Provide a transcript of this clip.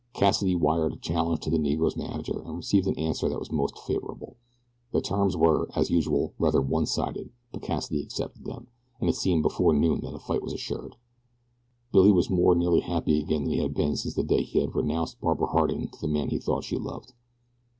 Cassidy wired a challenge to the Negro's manager, and received an answer that was most favorable. The terms were, as usual, rather one sided but Cassidy accepted them, and it seemed before noon that a fight was assured. Billy was more nearly happy again than he had been since the day he had renounced Barbara Harding to the man he thought she loved.